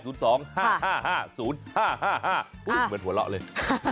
เหมือนหัวเราะเลย